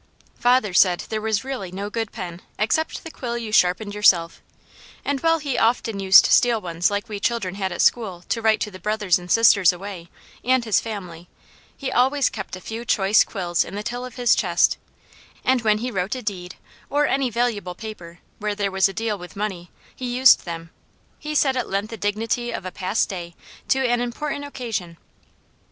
Father said there was really no good pen except the quill you sharpened yourself; and while he often used steel ones like we children had at school to write to the brothers and sisters away, and his family, he always kept a few choice quills in the till of his chest, and when he wrote a deed, or any valuable paper, where there was a deal with money, he used them. He said it lent the dignity of a past day to an important occasion.